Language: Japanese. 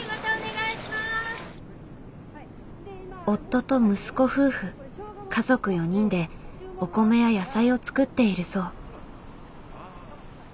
夫と息子夫婦家族４人でお米や野菜をつくっているそう。